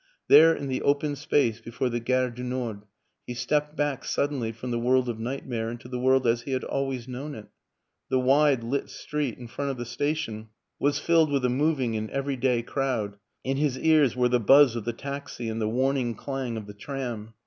There, in the open space before the Gare du Nord, he stepped back suddenly from the world of nightmare into the world as he had always known it. The wide, lit street in front of the station was filled with a moving and everyday crowd, in his ears were the buzz of the taxi and the warning clang of the tram.